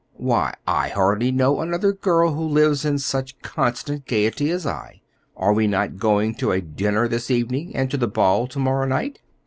Why, I hardly know another girl who lives in such constant gayety as I. Are we not going to a dinner this evening and to the ball to morrow night?"